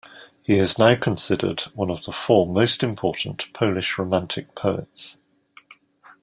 He is now considered one of the four most important Polish Romantic poets.